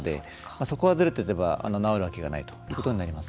そこがずれてれば治るわけがないということになります。